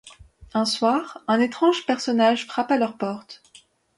Un soir, un étrange personnage frappe à leur porte.